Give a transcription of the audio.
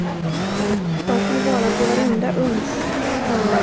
Ta till vara på varenda uns.